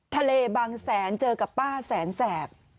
บางแสนเจอกับป้าแสนแสบ